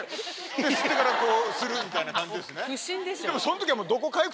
て吸ってからこうするみたいな感じですね。